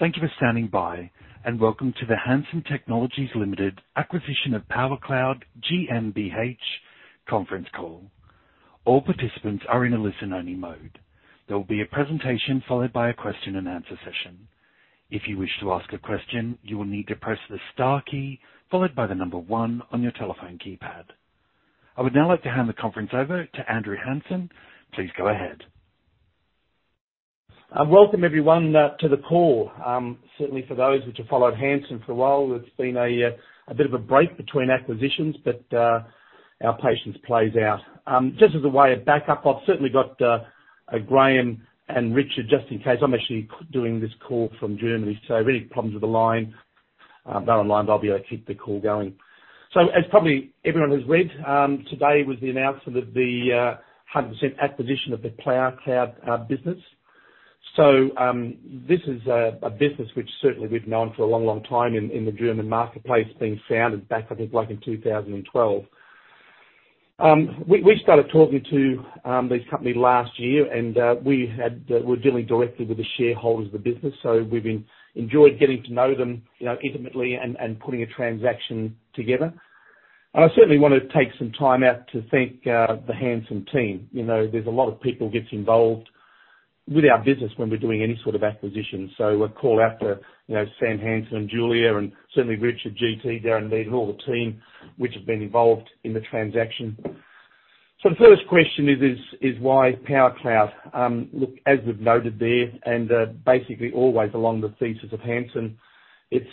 Thank you for standing by, and welcome to the Hansen Technologies Limited acquisition of powercloud GmbH Conference Call. All participants are in a listen-only mode. There will be a presentation followed by a question and answer session. If you wish to ask a question, you will need to press the star key followed by the number one on your telephone keypad. I would now like to hand the conference over to Andrew Hansen. Please go ahead. Welcome everyone to the call. Certainly for those which have followed Hansen for a while, it's been a bit of a break between acquisitions, but our patience plays out. Just as a way of backup, I've certainly got Graeme and Richard, just in case. I'm actually doing this call from Germany, so any problems with the line, they're online, but I'll be able to keep the call going. So as probably everyone has read, today was the announcement of the 100% acquisition of the powercloud business. So this is a business which certainly we've known for a long, long time in the German marketplace, being founded back, I think, like in 2012. We started talking to this company last year, and we're dealing directly with the shareholders of the business, so we've enjoyed getting to know them, you know, intimately and putting a transaction together. I certainly want to take some time out to thank the Hansen team. You know, there's a lot of people gets involved with our business when we're doing any sort of acquisition. So I call out to, you know, Sam Hansen and Julia and certainly Richard, GT, Darren, Neil, and all the team which have been involved in the transaction. So the first question is why powercloud? Look, as we've noted there, and basically always along the thesis of Hansen, it's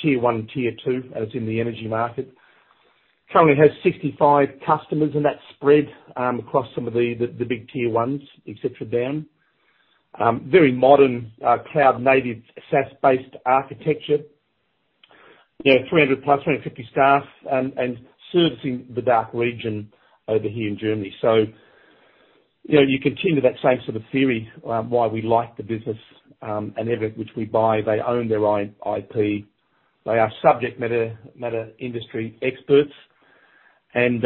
Tier 1 and Tier 2, as in the energy market. Currently has 65 customers, and that's spread across some of the big Tier 1s, et cetera, down. Very modern, cloud-native, SaaS-based architecture. You know, 300+, 350 staff, and servicing the DACH region over here in Germany. So, you know, you continue that same sort of theory, why we like the business, and everything which we buy, they own their own IP. They are subject matter industry experts, and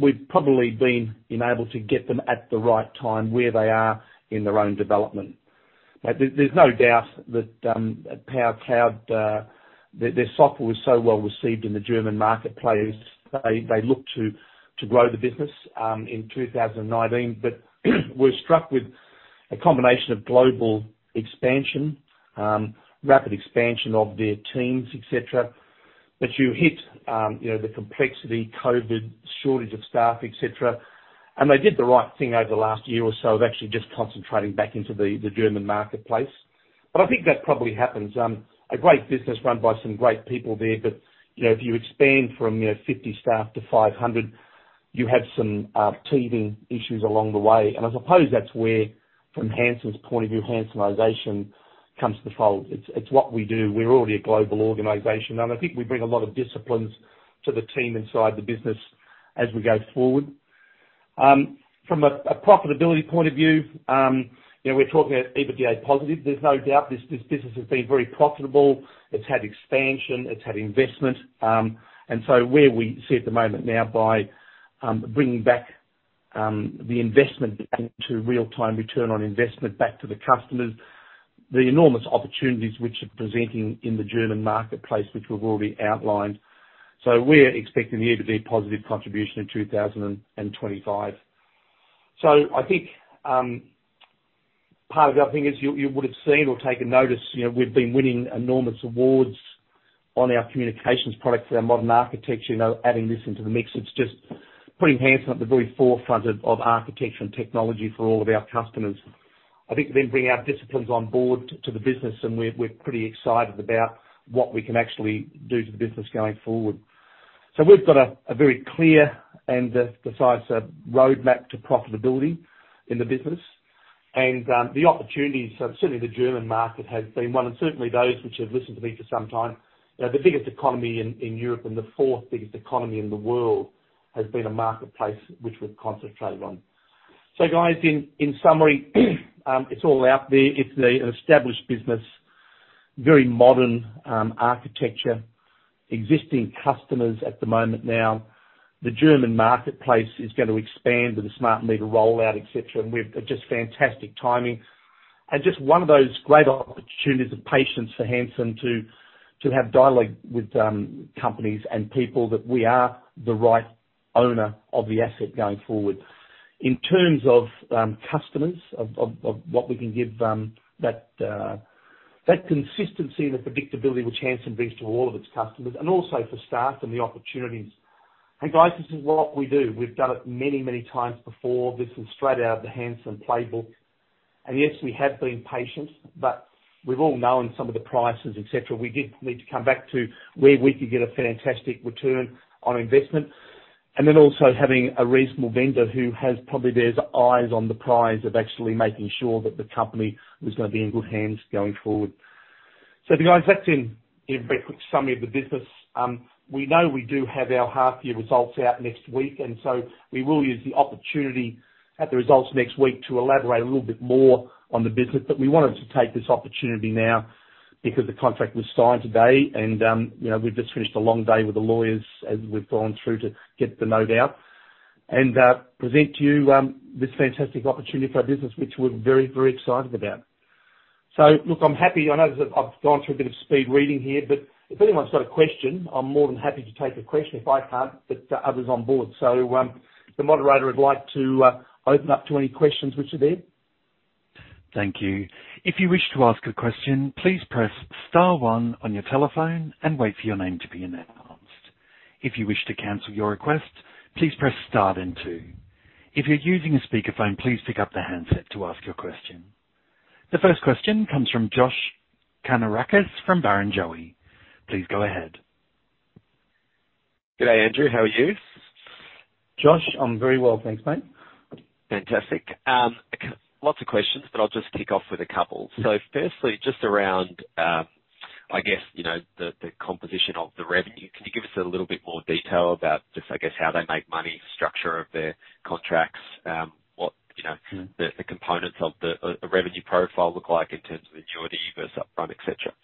we've probably been enabled to get them at the right time, where they are in their own development. But there's no doubt that powercloud, their software was so well received in the German marketplace, they looked to grow the business in 2019. But we're struck with a combination of global expansion, rapid expansion of their teams, et cetera. But you hit, you know, the complexity, COVID, shortage of staff, et cetera. And they did the right thing over the last year or so of actually just concentrating back into the German marketplace. But I think that probably happens. A great business run by some great people there, but, you know, if you expand from, you know, 50 staff to 500, you have some teething issues along the way. And I suppose that's where, from Hansen's point of view, Hansenization comes to the fold. It's what we do. We're already a global organization, and I think we bring a lot of disciplines to the team inside the business as we go forward. From a profitability point of view, you know, we're talking about EBITDA positive. There's no doubt this business has been very profitable. It's had expansion, it's had investment. And so where we sit at the moment now by bringing back the investment into real-time return on investment back to the customers, the enormous opportunities which are presenting in the German marketplace, which we've already outlined. So we're expecting the EBITDA positive contribution in 2025. So I think part of it, I think, is you would have seen or taken notice, you know, we've been winning enormous awards on our communications products and our modern architecture. You know, adding this into the mix, it's just putting Hansen at the very forefront of architecture and technology for all of our customers. I think then bringing our disciplines on board to the business, and we're pretty excited about what we can actually do to the business going forward. So we've got a very clear and decisive roadmap to profitability in the business and the opportunities. So certainly the German market has been one, and certainly those which have listened to me for some time. You know, the biggest economy in Europe and the fourth biggest economy in the world has been a marketplace which we've concentrated on. So guys, in summary, it's all out there. It's an established business, very modern architecture, existing customers at the moment now. The German marketplace is going to expand with the smart meter rollout, et cetera, and we've just fantastic timing. And just one of those great opportunities and patience for Hansen to have dialogue with companies and people that we are the right owner of the asset going forward. In terms of customers, of what we can give, that consistency and the predictability which Hansen brings to all of its customers, and also for staff and the opportunities. And guys, this is what we do. We've done it many, many times before. This is straight out of the Hansen playbook. And yes, we have been patient, but we've all known some of the prices, et cetera. We did need to come back to where we could get a fantastic return on investment, and then also having a reasonable vendor who has probably their eyes on the prize of actually making sure that the company was gonna be in good hands going forward. So guys, that's in a very quick summary of the business. We know we do have our half year results out next week, and so we will use the opportunity at the results next week to elaborate a little bit more on the business. But we wanted to take this opportunity now because the contract was signed today and, you know, we've just finished a long day with the lawyers as we've gone through to get the node out and present to you this fantastic opportunity for our business, which we're very, very excited about. So look, I'm happy. I know that I've gone through a bit of speed reading here, but if anyone's got a question, I'm more than happy to take a question. If I can't, but others on board. So, the moderator would like to open up to any questions which are there. Thank you. If you wish to ask a question, please press star one on your telephone and wait for your name to be announced. If you wish to cancel your request, please press star then two. If you're using a speakerphone, please pick up the handset to ask your question. The first question comes from Josh Kannourakis from Barrenjoey. Please go ahead. Good day, Andrew. How are you? Josh, I'm very well, thanks, mate. Fantastic. Lots of questions, but I'll just kick off with a couple. So firstly, just around, I guess, you know, the composition of the revenue. Can you give us a little bit more detail about just, I guess, how they make money, structure of their contracts? What, you know, the components of the revenue profile look like in terms of annuity versus upfront, et cetera.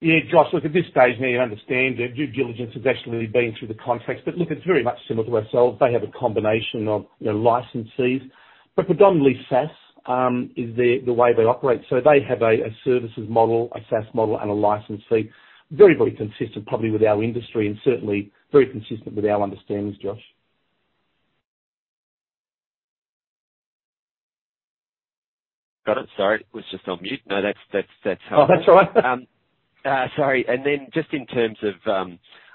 Yeah, Josh, look, at this stage, you understand due diligence has actually been through the contracts, but look, it's very much similar to ourselves. They have a combination of, you know, licensees, but predominantly SaaS is the way they operate. So they have a services model, a SaaS model, and a licensee. Very, very consistent, probably with our industry, and certainly very consistent with our understandings, Josh. Got it. Sorry, was just on mute. No, that's, that's, that's all. Oh, that's right. Sorry. And then just in terms of,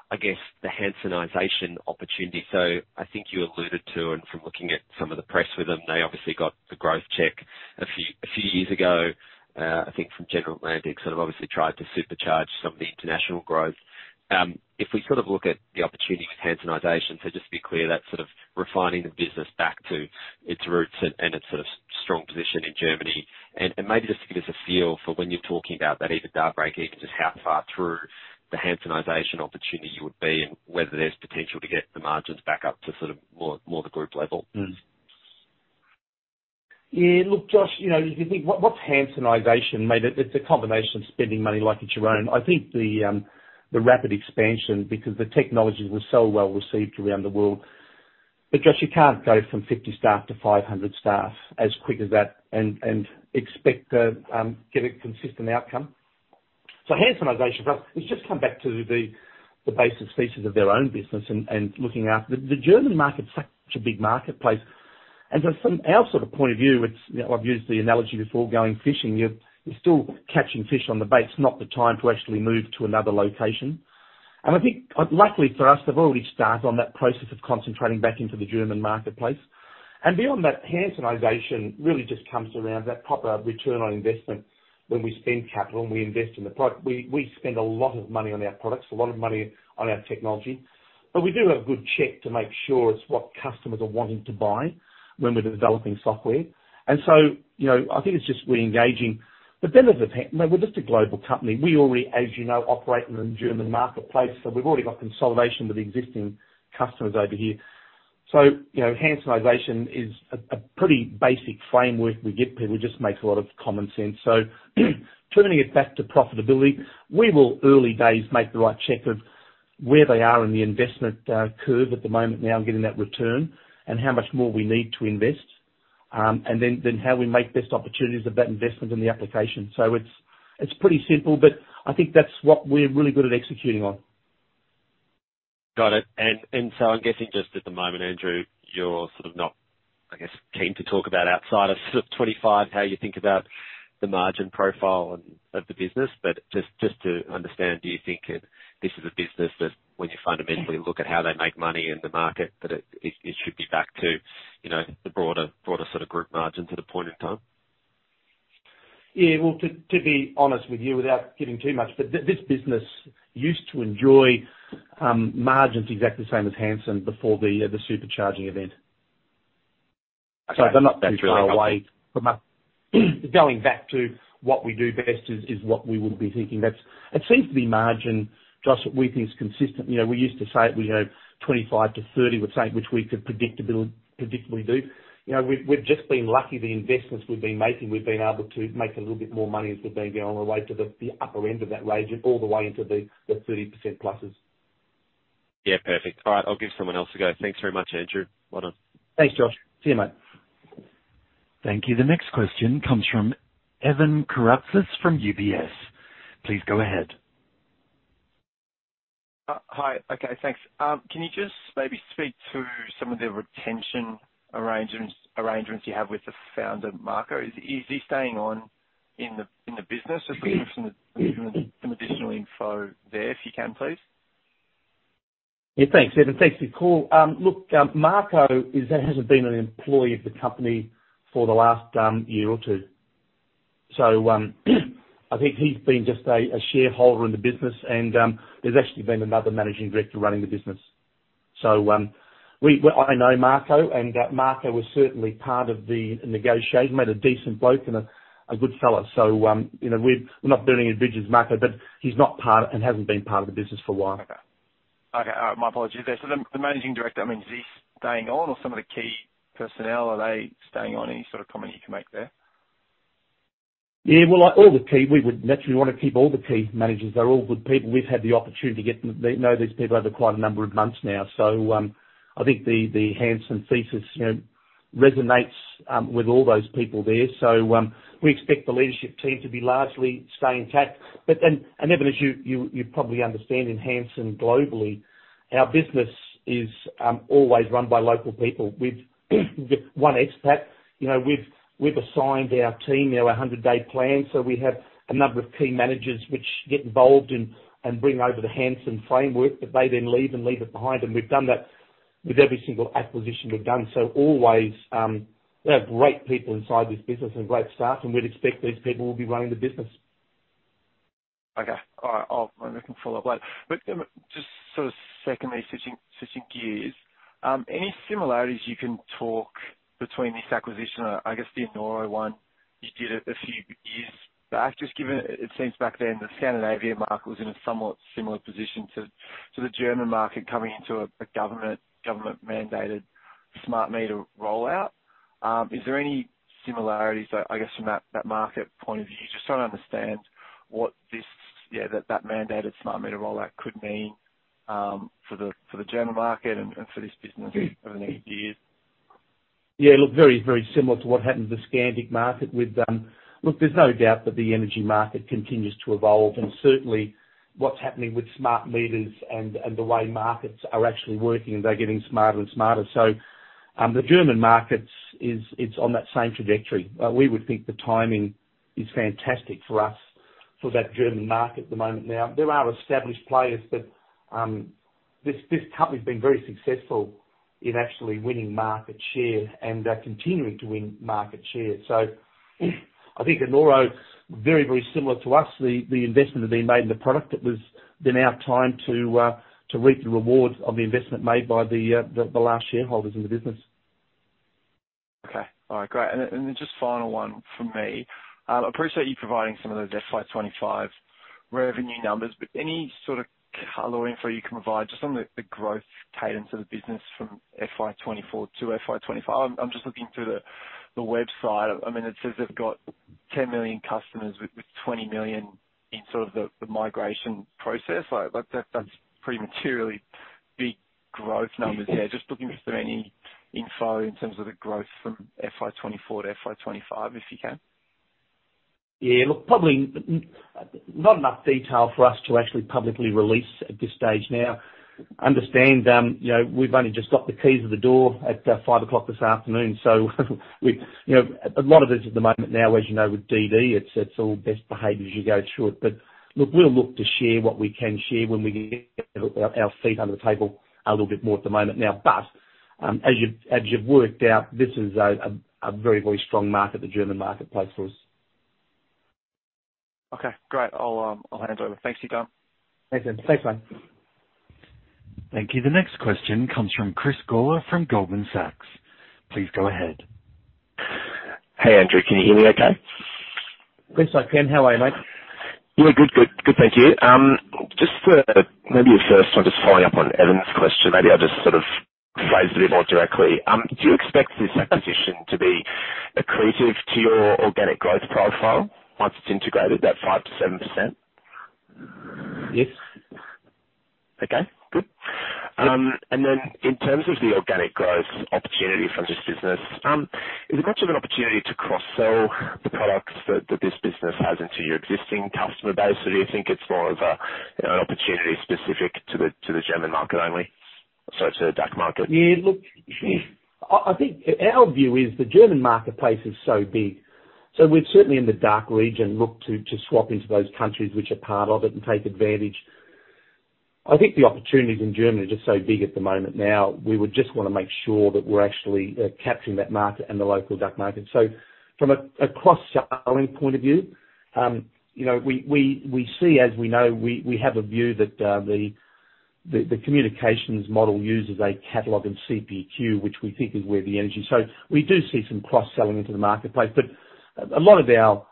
I guess, the Hansenization opportunity. So I think you alluded to, and from looking at some of the press with them, they obviously got the growth check a few years ago, I think from General Atlantic, sort of obviously tried to supercharge some of the international growth. If we sort of look at the opportunity with Hansenization, so just to be clear, that sort of refining the business back to its roots and its sort of strong position in Germany. And maybe just to give us a feel for when you're talking about that even break-even, just how far through the Hansenization opportunity you would be and whether there's potential to get the margins back up to sort of more the group level? Yeah, look, Josh, you know, if you think what's Hansenization? Made it... It's a combination of spending money like it's your own. I think the rapid expansion, because the technology was so well received around the world. But Josh, you can't go from 50 staff to 500 staff as quick as that and expect to get a consistent outcome. So Hansenization, let's just come back to the basic pieces of their own business and looking after... The German market's such a big marketplace, and from our sort of point of view, it's, you know, I've used the analogy before, going fishing. You're still catching fish on the bait. It's not the time to actually move to another location. And I think, luckily for us, they've already started on that process of concentrating back into the German marketplace. Beyond that, Hansenization really just comes around that proper return on investment when we spend capital, and we invest in the product. We spend a lot of money on our products, a lot of money on our technology, but we do have a good check to make sure it's what customers are wanting to buy when we're developing software. So, you know, I think it's just reengaging. The benefit of Hansenization, I mean, we're just a global company. We already, as you know, operate in the German marketplace, so we've already got consolidation with existing customers over here. So, you know, Hansenization is a pretty basic framework we get people. It just makes a lot of common sense. So turning it back to profitability, we will, early days, make the right check of where they are in the investment curve at the moment, now getting that return and how much more we need to invest. And then, then how we make best opportunities of that investment in the application. So it's, it's pretty simple, but I think that's what we're really good at executing on. Got it. And so I'm guessing just at the moment, Andrew, you're sort of not, I guess, keen to talk about outside of sort of 25, how you think about the margin profile and of the business. But just to understand, do you think this is a business that when you fundamentally look at how they make money in the market, that it should be back to, you know, the broader sort of group margin to the point in time? Yeah, well, to be honest with you, without giving too much, but this business used to enjoy margins exactly the same as Hansen before the supercharging event. Okay. They're not too far away- That's really helpful. From us. Going back to what we do best is what we would be thinking. That's... It seems to be margin, Josh, that we think is consistent. You know, we used to say we have 25%-30%, we're saying, which we could predictably do. You know, we've just been lucky the investments we've been making, we've been able to make a little bit more money as we've been going right to the upper end of that range and all the way into the 30% pluses. Yeah, perfect. All right, I'll give someone else a go. Thanks very much, Andrew. Well done. Thanks, Josh. See you, mate. Thank you. The next question comes from Evan Karatzas from UBS. Please go ahead. Hi. Okay, thanks. Can you just maybe speak to some of the retention arrangements you have with the founder, Marco? Is he staying on in the business? Just looking for some additional info there, if you can, please. Yeah, thanks, Evan. Thanks for your call. Look, Marco hasn't been an employee of the company for the last year or two. So, I think he's been just a shareholder in the business and there's actually been another managing director running the business. So, well, I know Marco, and Marco was certainly part of the negotiation. He made a decent bloke and a good seller. So, you know, we're not burning any bridges with Marco, but he's not part and hasn't been part of the business for a while. Okay. My apologies there. So the managing director, I mean, is he staying on or some of the key personnel, are they staying on? Any sort of comment you can make there? Yeah, well, we would naturally want to keep all the key managers. They're all good people. We've had the opportunity to get to know these people over quite a number of months now. So, I think the Hansen thesis, you know, resonates with all those people there. So, we expect the leadership team to be largely stay intact. But then, and Evan, as you probably understand, in Hansen globally, our business is always run by local people. We've one expat, you know, we've assigned our team, you know, a 100-day plan, so we have a number of key managers which get involved in and bring over the Hansen framework, but they then leave and leave it behind them. We've done that with every single acquisition we've done. Always, we have great people inside this business and great staff, and we'd expect these people will be running the business. Okay. All right. I'll follow up later. But then just sort of secondly, switching gears, any similarities you can talk between this acquisition and, I guess, the Enoro one you did a few years back? Just given it seems back then, the Scandinavia market was in a somewhat similar position to the German market, coming into a government-mandated smart meter rollout. Is there any similarities, I guess, from that market point of view? Just trying to understand what this, yeah, that mandated smart meter rollout could mean, for the German market and for this business over the next years. Yeah, look, very, very similar to what happened in the Scandinavian market with... Look, there's no doubt that the energy market continues to evolve, and certainly, what's happening with smart meters and the way markets are actually working, and they're getting smarter and smarter. So, the German market is on that same trajectory. We would think the timing is fantastic for us for that German market at the moment. Now, there are established players, but this company's been very successful in actually winning market share and continuing to win market share. So I think Enoro, very, very similar to us, the investment had been made in the product. It was then our time to reap the rewards of the investment made by the last shareholders in the business. Okay. All right, great. And then just final one from me. Appreciate you providing some of those FY 2025 revenue numbers, but any sort of color info you can provide just on the growth cadence of the business from FY2024 to FY 2025? I'm just looking through the website. I mean, it says they've got 10 million customers with 20 million in sort of the migration process. Like, that's pretty materially big growth numbers there. Just looking for any info in terms of the growth from FY 2024 to FY 2025, if you can. Yeah, look, probably not enough detail for us to actually publicly release at this stage now. Understand, you know, we've only just got the keys to the door at five o'clock this afternoon, so we, you know, a lot of this at the moment now, as you know, with DD, it's all best behavior as you go through it. But look, we'll look to share what we can share when we get our feet under the table a little bit more at the moment now. But, as you've worked out, this is a very, very strong market, the German marketplace, for us. Okay, great. I'll hand it over. Thanks, you, Andrew. Thanks, Evan. Thanks, mate. Thank you. The next question comes from Chris Gawler, from Goldman Sachs. Please go ahead. Hey, Andrew, can you hear me okay? Yes, I can. How are you, mate? Yeah, good. Good. Good, thank you. Just, maybe the first one, just following up on Evan's question, maybe I'll just sort of phrase it a bit more directly. Do you expect this acquisition to be accretive to your organic growth profile once it's integrated, that 5%-7%? Yes. Okay, good. In terms of the organic growth opportunity for this business, is it much of an opportunity to cross-sell the products that this business has into your existing customer base, or do you think it's more of an opportunity specific to the German market only, so to the DACH market? Yeah, look, I think our view is the German marketplace is so big, so we've certainly in the DACH region looked to swap into those countries which are part of it and take advantage. I think the opportunities in Germany are just so big at the moment now. We would just want to make sure that we're actually capturing that market and the local DACH market. So from a cross-selling point of view, you know, we see as we know, we have a view that the communications model uses a catalog and CPQ, which we think is where the energy... So we do see some cross-selling into the marketplace, but a lot of our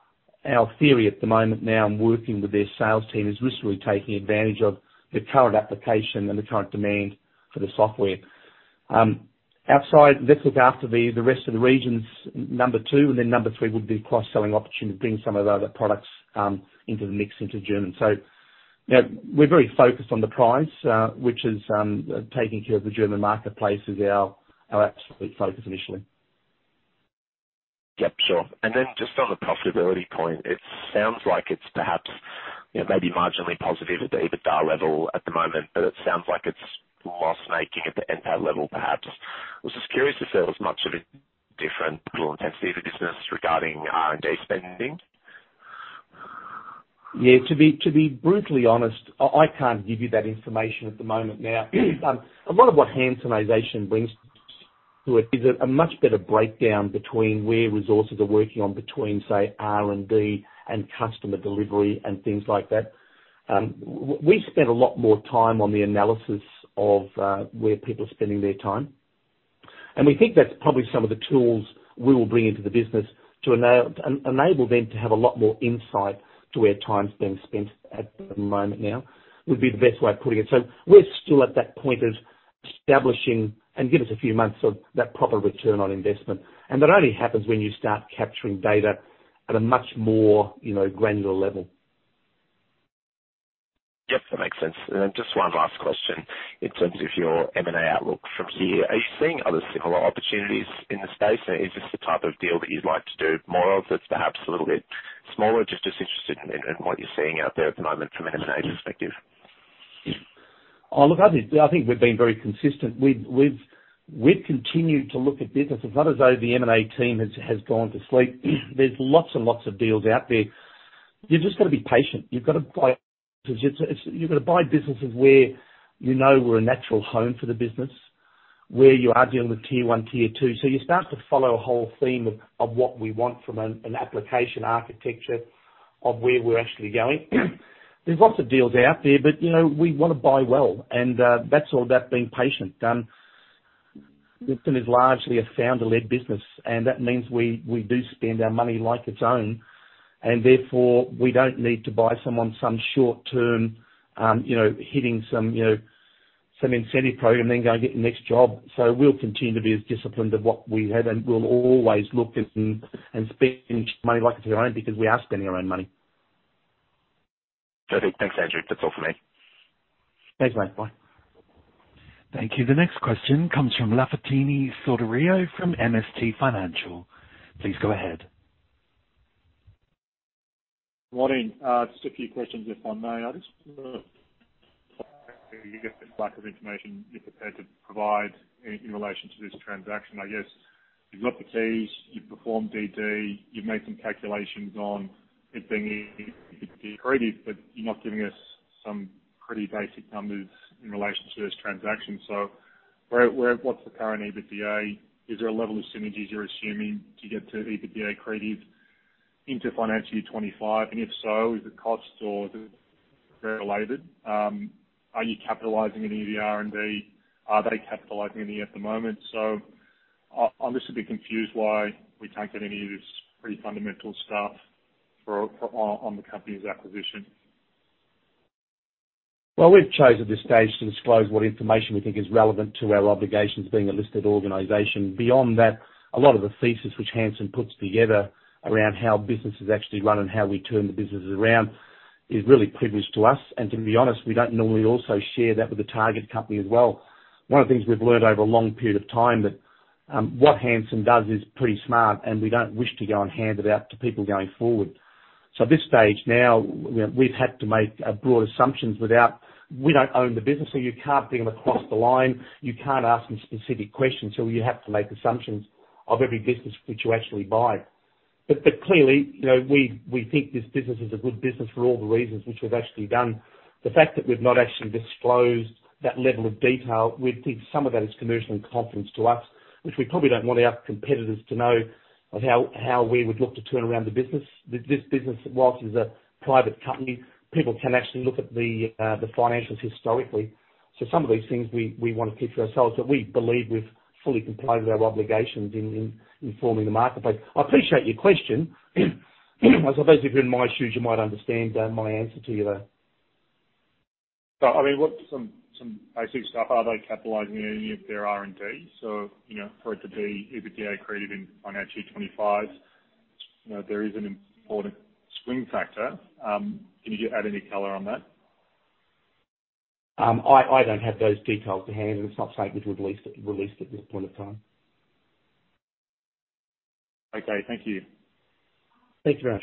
theory at the moment now in working with their sales team, is literally taking advantage of the current application and the current demand for the software. Outside, let's look after the rest of the regions, number two, and then number three would be cross-selling opportunity, bring some of the other products into the mix into German. So now we're very focused on the price, which is taking care of the German marketplace is our absolute focus initially. Yep, sure. And then just on the profitability point, it sounds like it's perhaps, you know, maybe marginally positive at the EBITDA level at the moment, but it sounds like it's loss-making at the NPAT level, perhaps. I was just curious if there was much of a different intensity of the business regarding R&D spending? Yeah, to be brutally honest, I can't give you that information at the moment now. A lot of what Hansenization brings to it is a much better breakdown between where resources are working on, between, say, R&D and customer delivery and things like that. We spent a lot more time on the analysis of where people are spending their time, and we think that's probably some of the tools we will bring into the business to enable them to have a lot more insight to where time's being spent at the moment now, would be the best way of putting it. So we're still at that point of establishing and give us a few months of that proper return on investment. And that only happens when you start capturing data at a much more, you know, granular level. Yep, that makes sense. Just one last question. In terms of your M&A outlook from here, are you seeing other similar opportunities in the space? Is this the type of deal that you'd like to do more of, that's perhaps a little bit smaller? Just interested in what you're seeing out there at the moment from an M&A perspective? Oh, look, I think, I think we've been very consistent. We've continued to look at business. It's not as though the M&A team has gone to sleep. There's lots and lots of deals out there. You've just got to be patient. You've got to buy it. You've gotta buy businesses where you know we're a natural home for the business, where you are dealing with Tier 1, Tier 2. So you start to follow a whole theme of what we want from an application architecture of where we're actually going. There's lots of deals out there, but, you know, we wanna buy well, and that's all about being patient. This one is largely a founder-led business, and that means we do spend our money like it's own, and therefore, we don't need to buy someone some short term, you know, hitting some, you know, some incentive program, then go and get the next job. So we'll continue to be as disciplined of what we have, and we'll always look at and spend money like it's our own, because we are spending our own money. Perfect. Thanks, Andrew. That's all for me. Thanks, mate. Bye. Thank you. The next question comes from Lafitani Sotiriou from MST Financial. Please go ahead. Morning. Just a few questions, if I may. I just you get the lack of information you're prepared to provide in relation to this transaction. I guess you've got the keys, you've performed DD, you've made some calculations on it being accretive, but you're not giving us some pretty basic numbers in relation to this transaction. So where... What's the current EBITDA? Is there a level of synergies you're assuming to get to EBITDA accretive into financial year 2025? And if so, is it costs or is it related? Are you capitalizing any of the R&D? Are they capitalizing any at the moment? So I'm just a bit confused why we can't get any of this pretty fundamental stuff for the company's acquisition. Well, we've chose at this stage to disclose what information we think is relevant to our obligations being a listed organization. Beyond that, a lot of the thesis which Hansen puts together around how business is actually run and how we turn the businesses around is really privileged to us. And to be honest, we don't normally also share that with the target company as well. One of the things we've learned over a long period of time that what Hansen does is pretty smart, and we don't wish to go and hand it out to people going forward. So at this stage now, we've had to make broad assumptions without... We don't own the business, so you can't bring them across the line, you can't ask them specific questions, so you have to make assumptions of every business which you actually buy. But clearly, you know, we think this business is a good business for all the reasons which we've actually done. The fact that we've not actually disclosed that level of detail, we think some of that is commercial in confidence to us, which we probably don't want our competitors to know of how we would look to turn around the business. This business, whilst is a private company, people can actually look at the the financials historically. So some of these things we want to keep to ourselves, but we believe we've fully complied with our obligations in informing the marketplace. I appreciate your question. I suppose if you're in my shoes, you might understand my answer to you, though. So, I mean, what's some basic stuff, are they capitalizing any of their R&D? So, you know, for it to be EBITDA accretive in financial 25, you know, there is an important swing factor. Can you add any color on that? I don't have those details to hand, and it's not something that's released at this point in time. Okay, thank you. Thanks, Laf.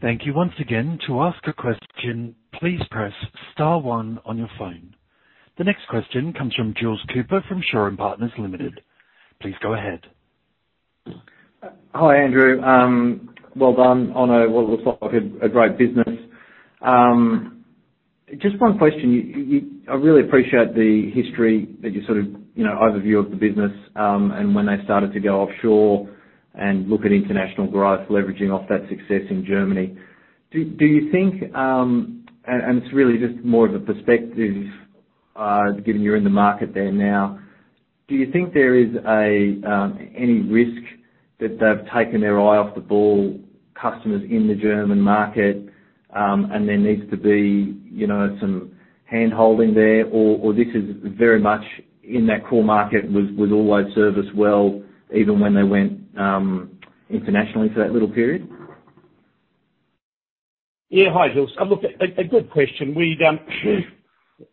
Thank you once again. To ask a question, please press star one on your phone. The next question comes from Jules Cooper, from Shaw and Partners Limited. Please go ahead. Hi, Andrew. Well done on what looks like a great business. Just one question. I really appreciate the history that you sort of, you know, overview of the business, and when they started to go offshore and look at international growth, leveraging off that success in Germany. Do you think, and it's really just more of a perspective, given you're in the market there now, do you think there is any risk that they've taken their eye off the ball, customers in the German market, and there needs to be, you know, some handholding there, or this is very much in that core market with always service well, even when they went internationally for that little period? Yeah. Hi, Jules. Look, a good question. We,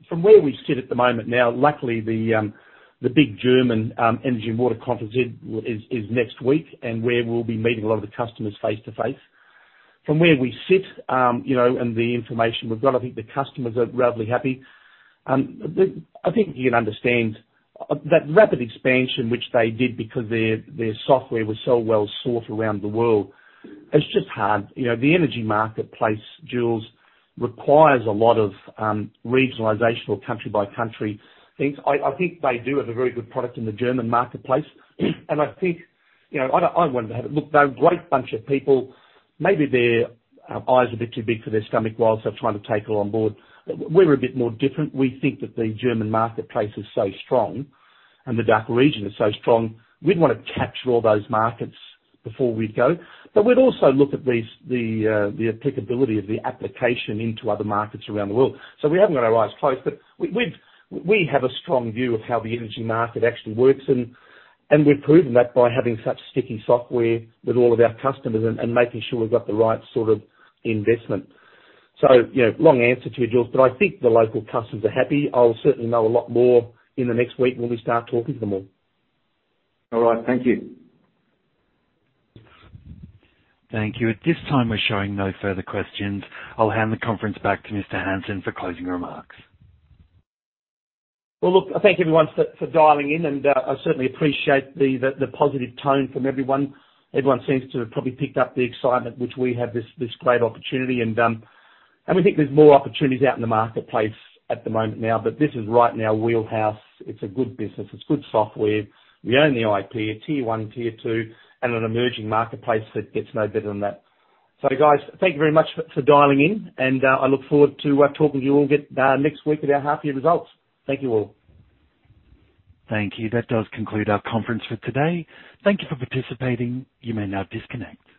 from where we sit at the moment now, luckily, the, the big German Energy and Water Conference is next week, and where we'll be meeting a lot of the customers face to face. From where we sit, you know, and the information we've got, I think the customers are roughly happy. The... I think you can understand that rapid expansion which they did because their, their software was so well sought around the world, it's just hard. You know, the energy marketplace, Jules, requires a lot of regionalization or country by country. I think they do have a very good product in the German marketplace. And I think, you know, I wouldn't have it. Look, they're a great bunch of people. Maybe their eye is a bit too big for their stomach while they're trying to take all on board. We're a bit more different. We think that the German marketplace is so strong and the DACH region is so strong, we'd want to capture all those markets before we'd go. But we'd also look at these, the, the applicability of the application into other markets around the world. So we haven't got our eyes closed, but we've, we have a strong view of how the energy market actually works, and, and we've proven that by having such sticky software with all of our customers and, and making sure we've got the right sort of investment. So, you know, long answer to you, Jules, but I think the local customers are happy. I'll certainly know a lot more in the next week when we start talking to them all. All right. Thank you. Thank you. At this time, we're showing no further questions. I'll hand the conference back to Mr. Hansen for closing remarks. Well, look, I thank everyone for dialing in, and I certainly appreciate the positive tone from everyone. Everyone seems to have probably picked up the excitement, which we have this great opportunity and we think there's more opportunities out in the marketplace at the moment now, but this is right in our wheelhouse. It's a good business, it's good software. We own the IP, a Tier 1, Tier 2, and an emerging marketplace that gets no better than that. So, guys, thank you very much for dialing in, and I look forward to talking to you all again next week about our half year results. Thank you, all. Thank you. That does conclude our conference for today. Thank you for participating. You may now disconnect.